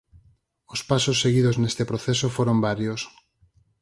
Os pasos seguidos neste proceso foron varios.